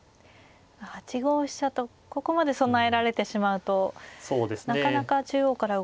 ８五飛車とここまで備えられてしまうとなかなか中央から動くのも。